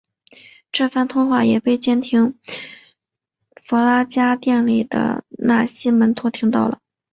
这番通话也被监听弗拉加电话的纳西门托听到了。